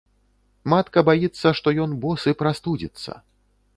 Матка баіцца, што ён босы прастудзіцца.